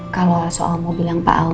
kalau soal mobil yang pak al